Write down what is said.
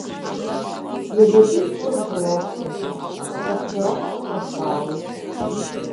Иабатәи ԥшыхәроу, аҷкәынцәа, саҳәшьа лахь сыҟан саауеит!